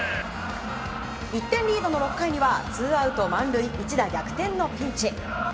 １点リードの６回にはツーアウト満塁一打逆転のピンチ。